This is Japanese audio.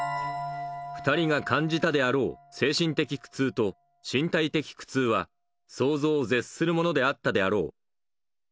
２人が感じたであろう精神的苦痛と、身体的苦痛は想像を絶するものであったであろう。